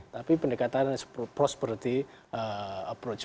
tapi pendekatan prosperity approach